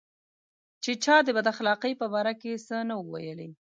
چې چا د بد اخلاقۍ په باره کې څه نه وو ویلي.